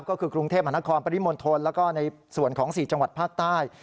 ก็คือกรุงเทพมหานครปริมณฑลแล้วก็ในส่วนของ๔จังหวัดภาคใต้